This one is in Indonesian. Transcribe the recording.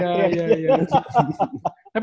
tapi gak sempat tekunin bu